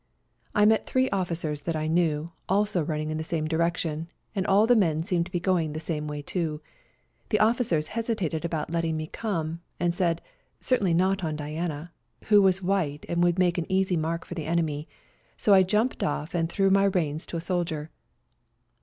I met three officers that I knew, also running in the same direction, and all the men seemed to be going the same way too. The officers hesitated about letting me come, and said, " Certainly not on Diana," who was white and would make an easy mark for the enemy ; so I jumped off and threw my reins to a soldier.